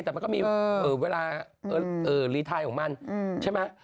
แต่มันก็มีเอ่อเวลาเอ่อของมันอืมใช่ไหม